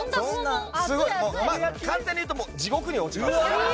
簡単に言うと地獄に落ちます。